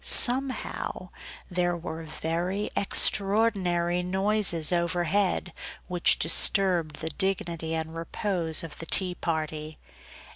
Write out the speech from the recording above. Somehow there were very extraordinary noises over head, which disturbed the dignity and repose of the tea party.